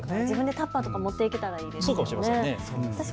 自分でタッパーも持っていけたらいいですね。